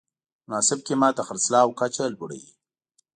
مناسب قیمت د خرڅلاو کچه لوړوي.